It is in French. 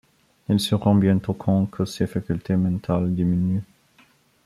Elle se rend bientôt compte que ses facultés mentales diminuent.